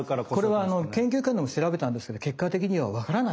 これは研究会でも調べたんですけど結果的にはわからない。